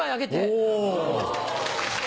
お。